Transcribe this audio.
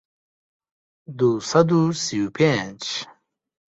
دوو سەد و سی و پێنج